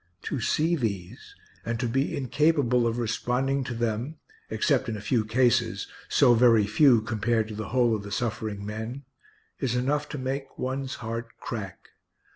To see these, and to be incapable of responding to them, except in a few cases (so very few compared to the whole of the suffering men), is enough to make one's heart crack.